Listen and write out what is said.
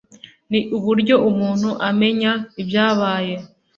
ni uburyo umuntu amenya ibyabaye